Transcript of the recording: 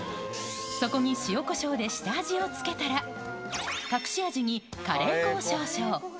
そこに塩こしょうで下味をつけたら、隠し味に、カレー粉を少々。